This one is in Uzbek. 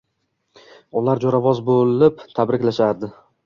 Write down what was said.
Ular jo’rovoz bo’lib tabriklashardi.